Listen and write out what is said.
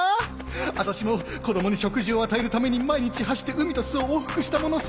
アタシも子どもに食事を与えるために毎日走って海と巣を往復したものさ。